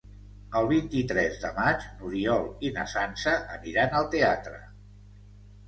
El vint-i-tres de maig n'Oriol i na Sança aniran al teatre.